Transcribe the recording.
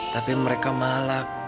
tapi mereka malah